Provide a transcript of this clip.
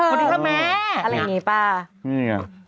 พอดีครับแม่อะไรอย่างนี้ป่ะนี่ไง